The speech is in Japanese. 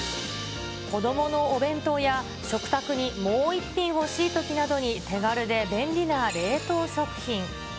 子どものお弁当や、食卓にもう一品欲しいときに手軽で便利な冷凍食品。